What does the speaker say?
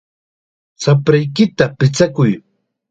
¡Shapraykita pichakuy!